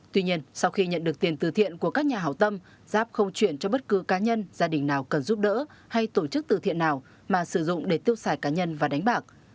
tuy nhiên sau khi nhận được tiền từ thiện của các nhà hảo tâm giáp không chuyển cho bất cứ cá nhân gia đình nào cần giúp đỡ hay tổ chức từ thiện nào mà sử dụng để tiêu xài cá nhân và đánh bạc